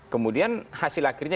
kemudian hasil akhirnya